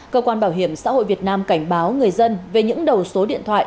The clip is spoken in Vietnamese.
cơ quan bảo hiểm xã hội việt nam cảnh báo người dân về những đầu số điện thoại